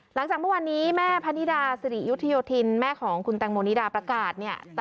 หลังจากเมื่อวานนี้แม่พนิดาสิริยุทธโยธินแม่ของคุณแตงโมนิดาประกาศเนี่ย